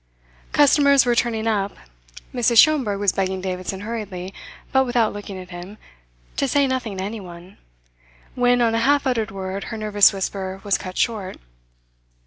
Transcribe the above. Customers were turning up. Mrs. Schomberg was begging Davidson hurriedly, but without looking at him, to say nothing to anyone, when on a half uttered word her nervous whisper was cut short.